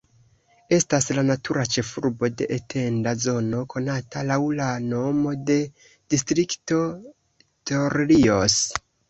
Estas la natura ĉefurbo de etenda zono konata laŭ la nomo de Distrikto Torrijos.